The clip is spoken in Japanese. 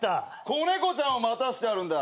子猫ちゃんを待たしてあるんだ。